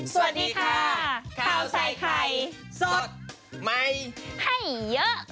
สวัสดีค่ะข้าวใส่ไข่สดใหม่ให้เยอะ